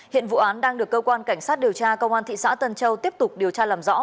hiện vụ án đang được cơ quan cảnh sát điều tra công an thị xã tân châu tiếp tục điều tra làm rõ